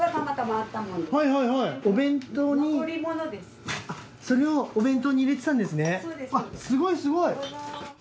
あっすごいすごい！